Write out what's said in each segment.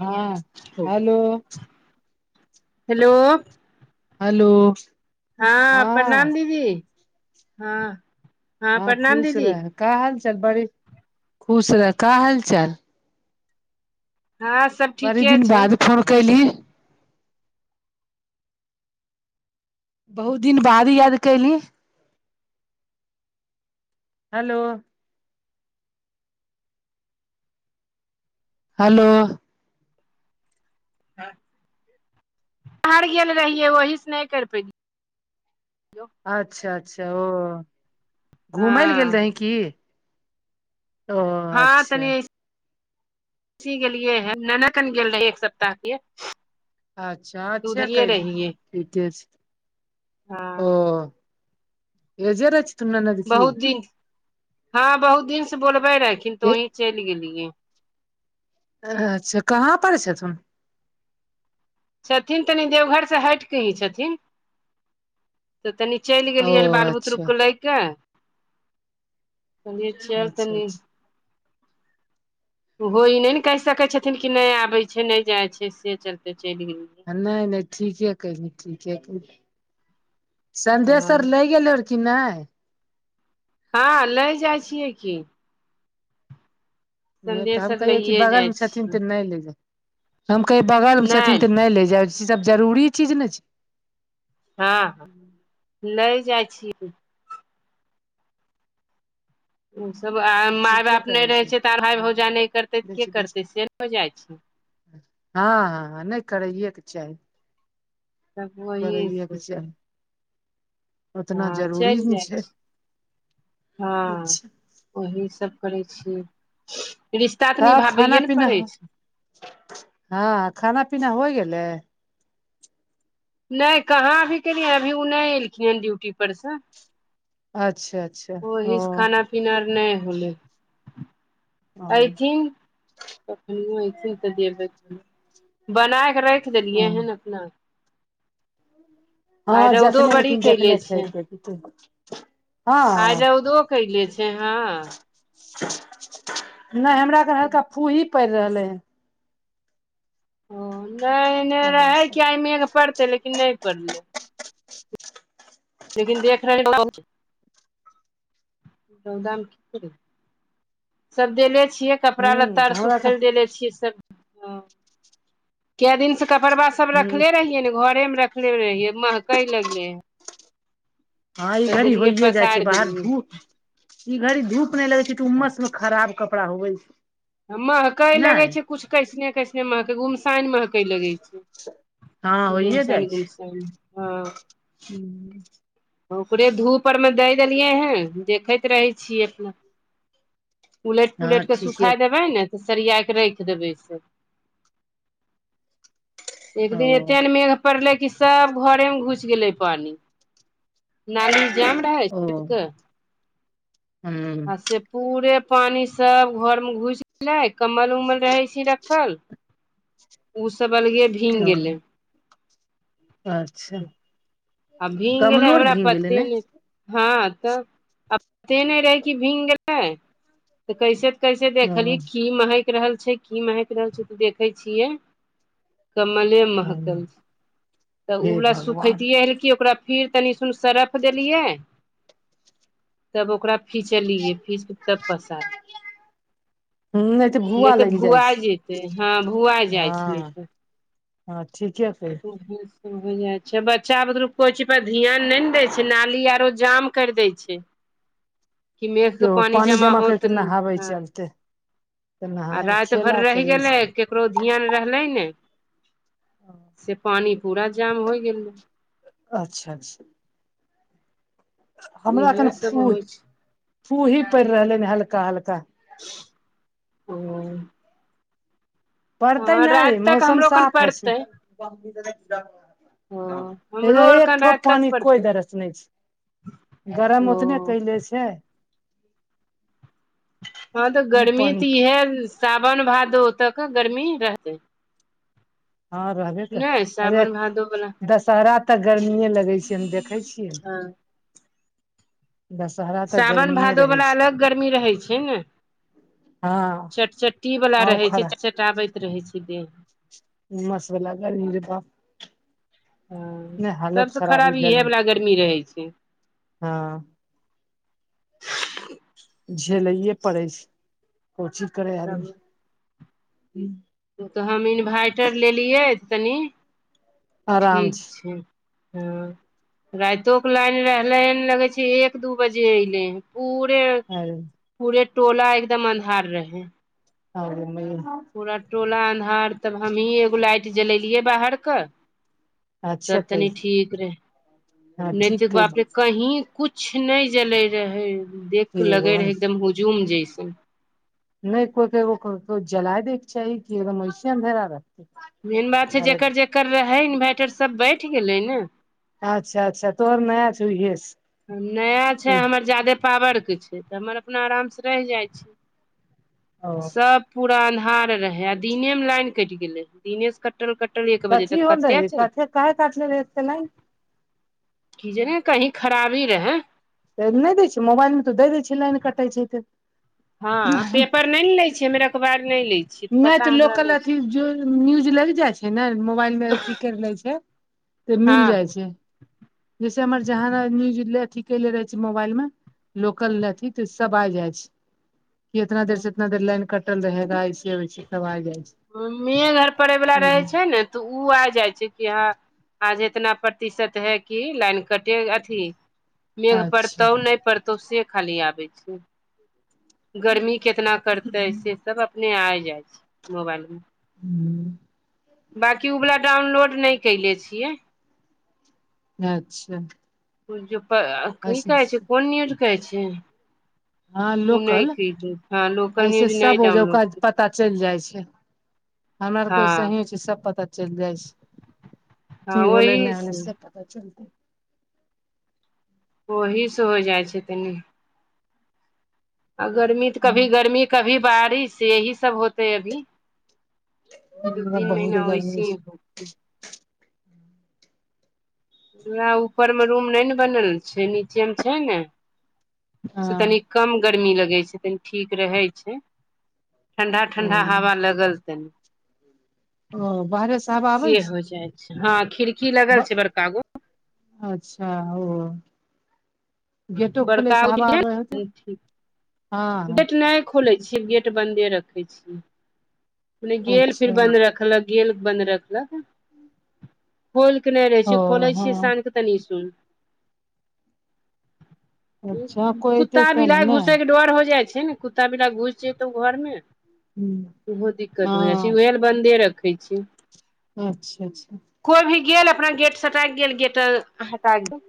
हँ hello hello hello हँ प्रणाम दीदी हँ हँ प्रणाम खुश दीदी रह का हाल चाल बड़ी खुश रह का हाल चाल हँ सब बड़ी ठीके दिन छै बाद फोन कयली बहुत दिन बाद याद कयली हेलो हेलो बार गेल रहियै वहि से नहि कैर पेतियौ अच्छा अच्छा ओ हँ घूमै लए गेल रही की ओ हँ अच्छा तनी ची गेलियै है ननद अन गेल रहे एक सप्ताह के अच्छा तऽ अच्छा उधरिये कैलू रहियै ठीके छै हँ ओ एजर अछि बहुत दिन हँ बहुत दिन से बोलबे रैहखिन तऽ ए वही चलि गेलियै अच्छा कहाँ पर छथुन छथिन तनी देवघर से हटिकऽ ही छथिन तऽ तनी चलि ओ गेलियै रे बाल अच्छा बुतरूकेँ लए के कलियै चल अच्छा तनी अच्छा ओहो ई नहि ने कहि सकै छथिन कि नहि आबै छै नहि जाइ छै से चलते चलि गेलियै नहि नहि ठीके कहि ठीके कहि संदेश अर हँ लै गेलै की नहि हँ लै जाइ छियै की उएह तऽ संदेश हम आर कहियै कि लैए जाइ बगलमे छथिन छियै तऽ नहि ले जाय हम कहियै बगल मे छथिन तऽ नहि ले जाय ई सब जरूरी चीज ने छै हँ लै जाय छियै उसभ आ माय ठीके बाप नहि करै रहै छै तऽ भाइ भौजाइ नहि करतै तऽ के करतै से न हो जाइ छै हँ हँ हँ नहि करैएके चाही सब वही से करैएके चाही उतना हँ जरूरी चलि ने जाइ छै छी हँ अच्छा ओही सब करै छियै रिश्ता तऽ खाना निभाबैेए ने पीना पड़ै छै हँ खाना पीना होइ गेलै नहि कहाँ अभी केलियै अभी उ नहि एलखिन हन ड्यूटी पर से अच्छा अच्छा ओही से ओ खाना पीना आर नै होलै हँ ऐथिन कखनियों ऐथिन तऽ देबै बनाय के रखि रखि देलियै हन अपना आइ रौदो जखने बड़ी एथिन कैले जखने छै खेतै आइ हँ रौदो कैले छै हँ नहि हमरा घर हल्का फूहीं पड़ि रहलै हन ओ नहि एने रहै हन कि आय मेघ पड़तै लेकिन नहि पड़लै लेकिन देख रहल [unintelligible] रौदा सब देले छियै कपड़ा हूं लत्ता आर हमरा तऽ सुखैल देले छियै सब हँ कै दिन से कपड़वा सब हूं रखले रहियै ने घरेमे रख रखले रहियै महकइ लगलै हँ ई घड़ी होइए जाइ छै पसारि बाहर देलियै धूप ई घड़ी धूप नै लगै छै तऽ उम्मस मे खराब कपड़ा होवै महकइ लगै छै कुछ कैसने कैसने महकइ गुमसानि महक लगै छै हँ होइये गुमसैनि गुमसैनि हूंम्म ओकरे धूप आरमे दै देलियै हन देखैत रहै छियै अपना उलटि हँ पुलटि के ठीके सुखाइ देबै ने तऽ सरियाके राखि देबै से एक ओ दिन एते ने मेघ पड़लै कि सभ घरेमे घुसि गेलै पानि नाली जाम रहै ओ छतके [unintelligible] हूं आ से पूरे पानि सब घर मे घुसि गेलै कम्बल उम्बल रहै छी रखल उ सब अलगे भींग ओ गेलै अच्छा आ भींग गेलै कमलो आर हमरा भींग गेलै पते ने नै हँ तब आ पते नहि रहै कि भींग गेलै तऽ कैसे कैसे ओ देखली की महकि रहल छै की महकि रहल छै तऽ देखै छियै कमले हूं महकल तऽ हे उ वला भगवान सुखैतियै ओर कि ओकरा फिर तनी सुन सरफ देलियै तब ओकरा फीचलियै फीच के पसार हूं नहि तऽ लागि जाइ भुआ छै जेतै हँ भुआ जाइ छै नहि हँ तऽ हँ ठीके फेर ह ह [unintelligible] हो जाइ छै बच्चा बुतरु कोइ चीज पर ध्यान नहि ने दै छै नाली आरो जाम कर दै छै कि मेघ के केओ पानि जमा करि होत कऽ नहाबै ह चलते तऽ आ नहाय रात भर खेला रह खेलै गेले छै केकरो ध्यान रहले ने से पानी पूरा जाम होय गेलै अच्छा अच्छा हमरा एखन इहे सब फू होइ छै फू ही पड़ रहलै ह हल्का हल्का ओ पड़तै हँ नहि राति तक मौसम हमरो खन साफ होइ छै पड़तै ओ हमरो आर एक कन ठोप राति तक पानि पड़तै कोइ दरस नहि छै गरम ओ उतने कैले छै हँ त ई गर्मी त पानि इहे साावन भादो तक गर्मी रहतै हँ रहबे करे नहि अरे सावन भादो बला दशहरा तक गर्मीेय लगै छै हम देखै छियै दशहरा तऽ साावन गर्मीए भादो रहै वला छै अलग गर्मी रहै छै ने हँ चटचट्टी वला आउ रहै छै खड़ा च चटाबैत रहै छै देह उमस वला गर्मी जेतय ह सबसँ खराब इहे वला गर्मी रहै छै हँ झेलैए पड़ै छै को चीज करै आदमी ओ त हम इन्भाइटर लेलियै तनि ठीक छै हँ राइतो के लाइन न रहले लगै छै एक दू बजे अयलै पूरे पूरे टोला एकदम अन्हार रहेै आ म [unintelligible] पूरा टोला अन्हार तब हमही एगो लाइट जलेलियै बाहर क अच्छे तब तनी कैल ठीक रहै हँ नैत ठीक कैल बाप रे कही कुछ नहि जले रहै देख कि के लगे एगो रहै एकदम हुजूम जैसे नहि कोई कोई क जलाए दैके चाही की एकदम ऐसे अन्धेरा रहे मैन बात छै जेकर जेकर रहै इन्वैर्टर सब बैठ गेलै ने अच्छा अच्छा तोहर नया छो इहे सँ नया छै हमर जादे पावर के छै त हमर अपना आराम सँ रह जाए छै ओ सब पूरा अन्हार रहे आ दिने मे लाइन कटि गेलै दीने सँ कटल कटल एक बजे कथी तक होल कते रहे छै कथे काहे काटले रहे एते लाइन की जे ने कहीं खराबी रहै त नहि दै छै मोबाइल मे त दए दै छै लाइन कटै छै त हँ पेपर ने ने ले छिये हमे अखबार न लै छिए नहि त लोकल अथी जो न्यूज लग जाइ छै ने मोबाइल मे अथी कर ले छै [inaudible] त मिल जाए छै जैसे हमर जहाना न्यूज ले अथी केले रहे छी मोबाइल मे लोकल लथी तऽ सब आइ जाइ छै कि इतना देर से हँ इतना देर लान कटल रहेगा ऐसे ऐसे कब आ जाइ छै मेघ अर पड़यवला रहै छै ने तऽ ओ आ जाइ छै कि हँ आज एतना प्रतिशत है क लाइन कटे अथी मेघ अच्छा पड़तौ नहि पड़तौ से खाली आबैत छै गर्मी केतना करतै से सब अपने आ जाइ छै मोबाइलमे हूँ बाँकी उ वला डाउनलोड नहि कयले छियै अच्छा की ऐसे कहै छै कोन नेट कहै छै हँ [unintelligible] ह नहि लोकल खीदु हँ लोकल ऐसे न्यूज सब नहि डाउनलोड ओजौका [unintelligible] पता चैल जाइ छै हमरा और के हँ वैसे ही छै सब पता चैल जाय छै हँ की हौले ओहि न हौले से पता चलते ओही सँ हो जाए छै तनी आ गर्मी तऽ कभी हम्म गर्मी कभी बारिश यही सब होतै अभी दू तीन महीना बहुत गर्मी होइसी छै ना ऊपर मे रूम नहि ने बनल छै नीचे मे छै ने से तनि हँ कम गरमी लगै छै तनी ठीक रहै छै ठंडा ओ ठंडा हवा लगल तनि ओ बाहरे हवा आबै से छै हो जाइत छै हँ खिड़की ब लगल छै बड़का गो अच्छा ओ गेटो खुलै बड़का स गो हवा खिड़की आब हतौ ठीक गेट नहि खोलै छियै गेट बन्दे रखै छियै गेल फेर अच्छा बन्द रखलक गेल बन्द रखलक खोल कऽ नहि रहै ओ छै खोलै हँ छियै साँत के तनि सुन अच्छा कोइ एतै कुत्ता तब ने बिलाइ नहि घुसयके डर हो जाइ छै ने कुत्ता बिलाइ घुस जेतौ घरमे ओहो दिक्कत हो जाइ छै हँ उएह ल बन्दे रखै छियै अच्छा अच्छा कोई भी गेल अपना गेट सटायक गेल गेट हटा गेल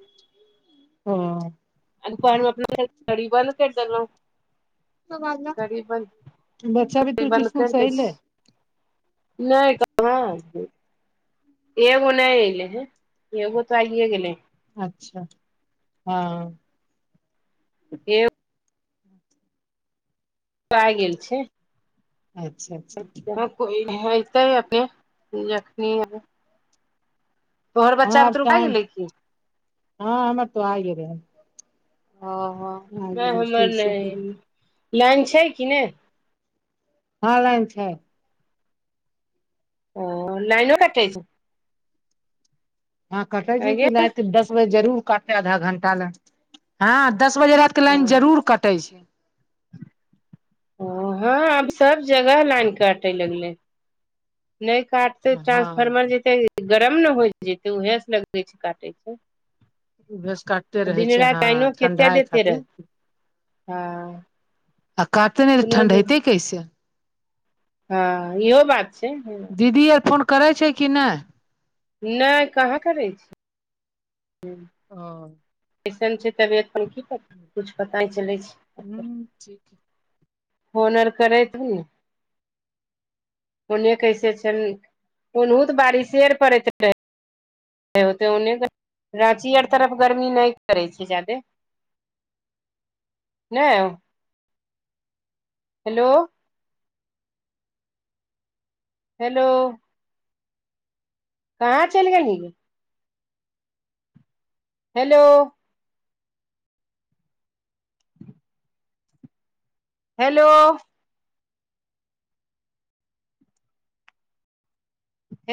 ह आ पानमे अप तरी बाल [unintelligible] ओ करी बन बच्चा करी बुतरुक बन्द स्कुल कैर से दै अयलै छिए नहि कहाँ [unintelligible] एगो नहि एऐले हैं एगो तो आइए गेले अच्छा हँ ए पा गेल छै अच्छा अच्छा को तऽ ह अपने जखनी [unintelligible] तोहर हँ बच्चा आब बुतरु त भए गेलै की ह हमर त आए गलै हण ओ हमर ने स्कुल से अलई हन लइन छै कि नहि हँ लइन छै ओ लाइनो कटै छै हँ कटे छै आंय कि गे राति दस बजे जरूर कटे आधा घंटा लए ह दस बजे लान जरूर कटै छै ओ हँ आब सब जगह लाइन काटे लगले नहि काटते हँ ट्रांसफॉर्मर जेते गरम ने होई जेतै उहेस लगै छै काटै छै उहेस काटते रहै दिन छै राति हँ लाइनो केते ठंडाइ देते खातिर रहत हँ आ काटतै नहि त ठंडयतै कैसे हँ इहो बात छै दीदी आर फोन करै छै कि नहि नहि कहाँ करै छी हूँ ह इसन छै तबियत पर की कर किछु पता चलै छै हूँ ठीक होनर करैत न ओने कैसे छ ओनहुत बारिशे पड़ैत रहे होते ओन्ने राँची आर तरफ गर्मी नहि करै छै जा्यदे नहि हेलो हेलो कहाँ चल गेलही ने हेलो हेलो